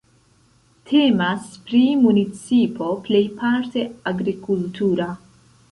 Temas pri municipo pejparte agrikultura.